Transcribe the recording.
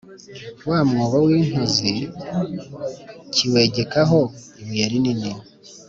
wa mwobo w'intozi kiwegekaho ibuye rinini